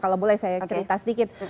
kalau boleh saya cerita sedikit